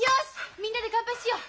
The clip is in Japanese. みんなで乾杯しよう。